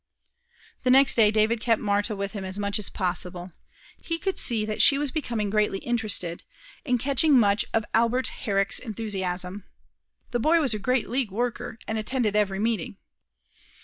The next day David kept Marta with him as much as possible. He could see that she was becoming greatly interested, and catching much of Albert Herrick's enthusiasm. The boy was a great League worker, and attended every meeting.